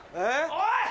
おい！